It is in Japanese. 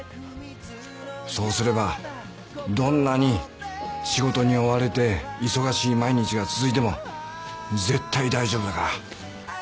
そうすればどんなに仕事に追われて忙しい毎日が続いても絶対大丈夫だから。